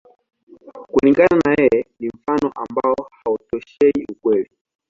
Kulingana na yeye, ni mfano ambao hautoshei ukweli.